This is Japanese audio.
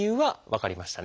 分かりました。